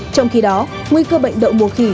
trong khi đó nguy cơ bệnh đậu mùa khỉ